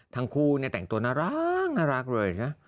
ทั้งคู่แต่งตัวน่ารักเลยนะ